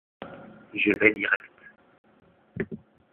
Je vais direct